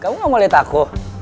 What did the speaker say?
kamu gak mau lihat aku